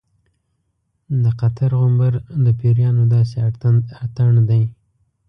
د قطر غومبر د پیریانو داسې اتڼ دی.